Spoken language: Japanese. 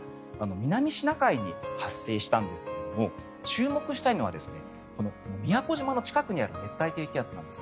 南シナ海に発生したんですが注目したいのはこの宮古島の近くにある熱帯低気圧なんです。